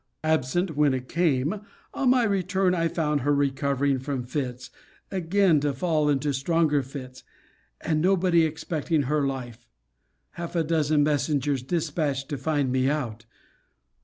Absent when it came on my return I found her recovering from fits, again to fall into stronger fits; and nobody expecting her life; half a dozen messengers dispatched to find me out.